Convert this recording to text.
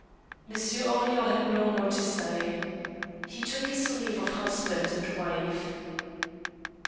Monsieur Henrion had no more to say. He took his leave of husband and wife.